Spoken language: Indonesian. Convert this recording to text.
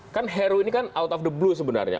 kan heru ini kan out of the blue sebenarnya